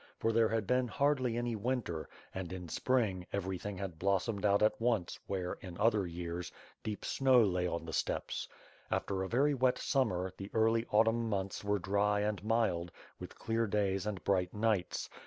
For there had been hardly any winter and, in Spring, everything had blossomed out at once where, in other years, deep snow lay on the steppes. After a very wet summer, the early autumn months were dry and mild, with clear days and bright nights.